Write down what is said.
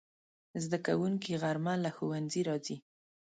زدهکوونکي غرمه له ښوونځي راځي